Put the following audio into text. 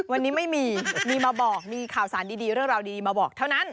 วันนี้ไม่มีมีมาบอกมีข่าวสารดีเรื่องราวดีมาบอกเท่านั้น